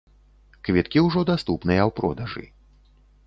Квіткі ўжо даступныя ў продажы.